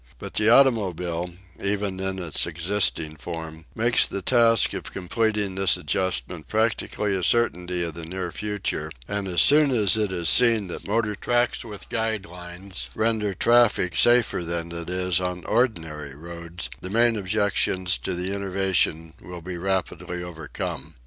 But the automobile, even in its existing form, makes the task of completing this adjustment practically a certainty of the near future; and as soon as it is seen that motor tracks with guide lines render traffic safer than it is on ordinary roads, the main objections to the innovation will be rapidly overcome.